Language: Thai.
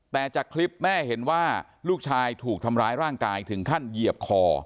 แต่จากคลิปแม่เห็นว่าลูกชายถูกทำร้ายร่างกายถึงขั้นเหยียบคอ